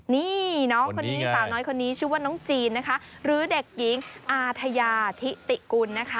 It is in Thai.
นี่สาวน้อยคนนี้ชื่อว่าน้องจีนหรือเด็กหญิงอาทยาธิติกุล